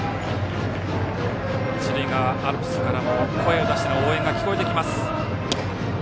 一塁側アルプスからも声を出しての応援が聞こえてきます。